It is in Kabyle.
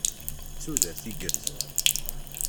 D tudert igerrzen.